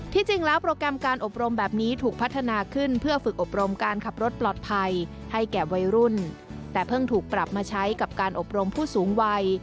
จริงแล้วโปรแกรมการอบรมแบบนี้ถูกพัฒนาขึ้นเพื่อฝึกอบรมการขับรถปลอดภัยให้แก่วัยรุ่นแต่เพิ่งถูกปรับมาใช้กับการอบรมผู้สูงวัย